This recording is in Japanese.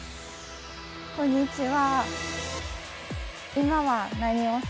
こんにちは。